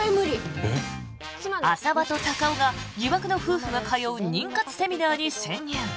浅輪と高尾が疑惑の夫婦が通う妊活セミナーに潜入。